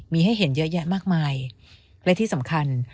มีให้เห็นเยอะแยะมากมายและที่สำคัญ